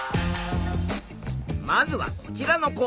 まずはこちらの子。